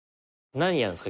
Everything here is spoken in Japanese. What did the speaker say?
何やるんですか？